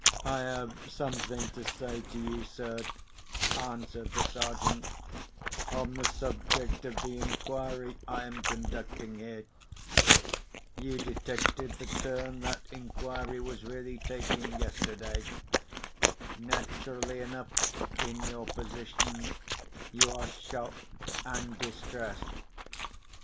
"I have something to say to you, sir," answered the Sergeant, "on the subject of the inquiry I am conducting here. You detected the turn that inquiry was really taking, yesterday. Naturally enough, in your position, you are shocked and distressed.